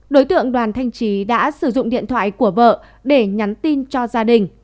đối tượng đoàn thanh trí đã sử dụng điện thoại của vợ để nhắn tin cho gia đình